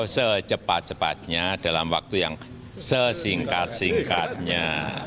secepat cepatnya dalam waktu yang sesingkat singkatnya